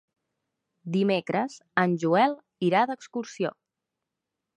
Dimecres en Joel irà d'excursió.